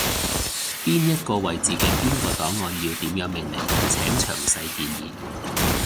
邊一個位置嘅邊個檔案要點樣命名，請詳細建議